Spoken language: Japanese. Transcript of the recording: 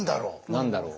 何だろう？